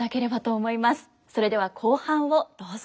それでは後半をどうぞ。